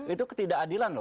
itu ketidakadilan loh